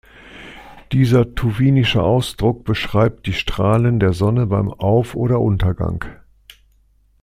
Dieser tuwinische Ausdruck beschreibt die Strahlen der Sonne beim Auf- oder Untergang.